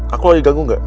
aku lagi ganggu gak